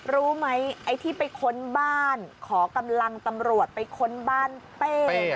รู้ไหมไอ้ที่ไปค้นบ้านขอกำลังตำรวจไปค้นบ้านเป้